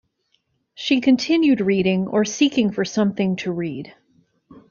She continued reading, or seeking for something to read.